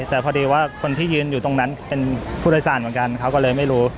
แต่พอดีว่าคนที่ยืนอยู่ตรงนั้นเป็นผู้โดยสารเหมือนกันเขาก็เลยไม่รู้